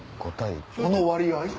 この割合？